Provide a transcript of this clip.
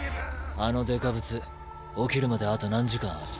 あのデカブツ起きるまであと何時間ある？